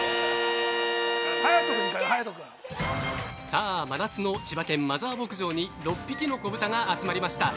◆さあ、真夏の千葉県マザー牧場に６匹の子豚が集まりました。